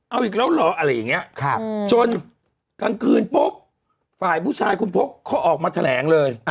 เอาอีกแล้วเหรออะไรอย่างนี้จนกลางคืนปุ๊บฝ่ายผู้ชายคุณพกเขาออกมาแถลงเลย